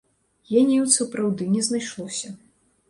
Геніяў сапраўды не знайшлося.